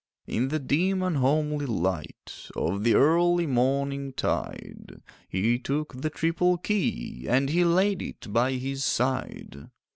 In the dim unhomely light Of the early morningtide, He took the triple key And he laid it by his side.